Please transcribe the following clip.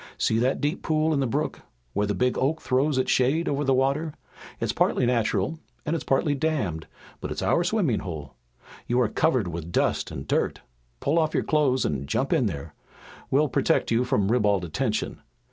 See that deep pool in the brook, where the big oak throws its shade over the water? It's partly natural and it's partly dammed, but it's our swimming hole. You are covered with dust and dirt. Pull off your clothes and jump in there. We'll protect you from ribald attention.